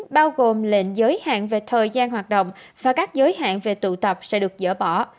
bao gồm lệnh giới hạn về thời gian hoạt động và các giới hạn về tụ tập sẽ được dỡ bỏ